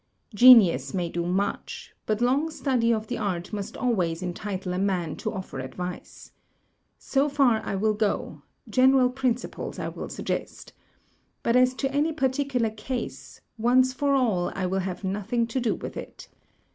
Genius may do much, but long study of the art must always entitle a man to offer advice. So far I will go — general principles I will suggest. But as to any particular case, once for all I will have nothing to do with it.